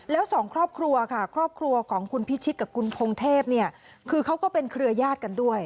แล้วสองครอบครัวค่ะครอบครัวของคุณพิชิตกับคุณพงเทพเนี่ยคือเขาก็เป็นเครือยาศกันด้วย